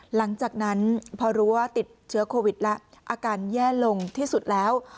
หลังจากนั้นพอรู้ว่าติดเชื้อโควิดแล้วอาการแย่ลงที่สุดแล้ว